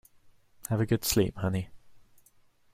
Have a good sleep honey.